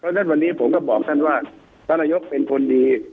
เพราะฉะนั้นวันนี้ผมก็บอกท่านว่าท่านนายกเป็นคนดี